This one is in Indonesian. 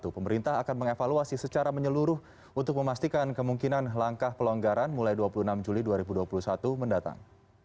pemerintah akan mengevaluasi secara menyeluruh untuk memastikan kemungkinan langkah pelonggaran mulai dua puluh enam juli dua ribu dua puluh satu mendatang